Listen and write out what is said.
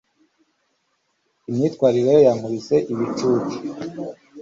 imyitwarire ye yankubise ibicucu